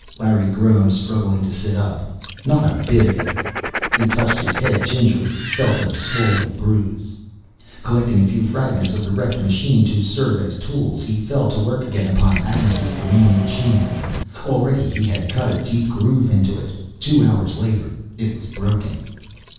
Larry groaned, struggling to sit up. "Not a bit of it!" He touched his head gingerly, felt a swollen bruise. Collecting a few fragments of the wrecked machine, to serve as tools, he fell to work again upon Agnes' remaining chain. Already he had cut a deep groove in it. Two hours later, it was broken.